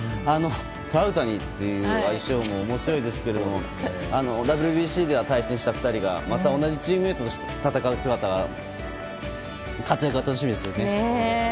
トラウタニという愛称も面白いですけどもＷＢＣでは対戦した２人がまた同じチームメートとして戦う姿活躍が楽しみですよね。